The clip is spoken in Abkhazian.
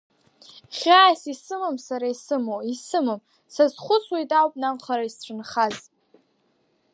Хьаас исымам сара исымоу, исымам, сазхәыцуеит ауп наҟ хара исцәынхаз.